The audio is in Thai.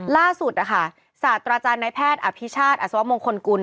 ล่าสุดนะคะศาสตราจารย์ในแพทย์อภิชาติอัศวมงคลกุล